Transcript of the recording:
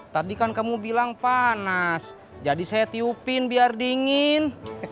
tadi kan kamu bilang panas jadi saya tiupin biar dingin